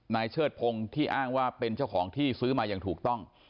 เชิดพงศ์ที่อ้างว่าเป็นเจ้าของที่ซื้อมาอย่างถูกต้อง